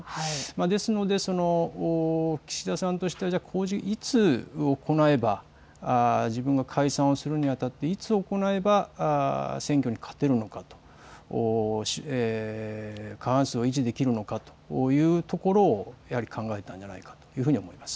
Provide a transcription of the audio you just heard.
ですので岸田さんとしては公示をいつ行えば自分が解散をするにあたっていつ行えば選挙に勝てるのかと、過半数を維持できるのかというところをやはり考えたんじゃないかというふうに思います。